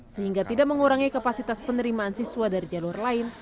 sehingga tidak mengurangi kapasitas penerimaan siswa dari jalur lain